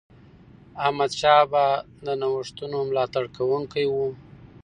احمدشاه بابا د نوښتونو ملاتړ کوونکی و.